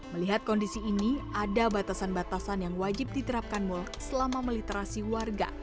melihat kondisi ini ada batasan batasan yang wajib diterapkan mul selama meliterasi warga